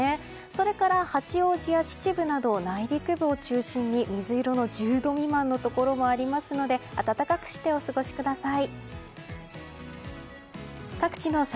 それから八王子や秩父など内陸部を中心に水色の１０度未満のところもありますので暖かくしてお過ごしください。